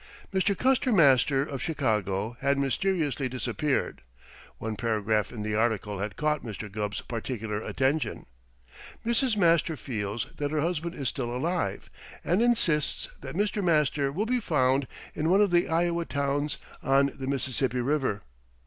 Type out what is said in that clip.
Mr. Custer Master, of Chicago, had mysteriously disappeared. One paragraph in the article had caught Mr. Gubb's particular attention: Mrs. Master feels that her husband is still alive, and insists that Mr. Master will be found in one of the Iowa towns on the Mississippi River.